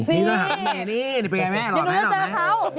นี่นี่นี่เปลี่ยนแม่หล่อแม่หน่อย